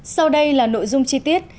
sau đây là nội dung chi tiết